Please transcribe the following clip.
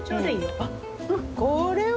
あっこれは。